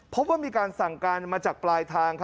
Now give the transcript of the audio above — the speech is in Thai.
พบว่ามีการสั่งการมาจากปลายทาง